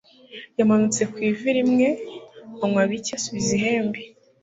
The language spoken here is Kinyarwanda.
yamanutse ku ivi rimwe, anywa bike asubiza ihembe